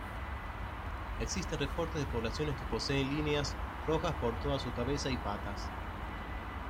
Existen reportes de poblaciones que poseen líneas rojas por toda su cabeza y patas.